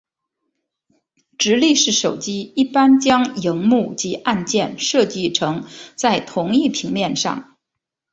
直立式手机一般将萤幕及按键设计成在同一平面上。